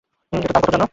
এটার দাম কত জানো?